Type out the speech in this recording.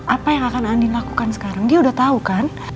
apa yang akan andi lakukan sekarang dia udah tahu kan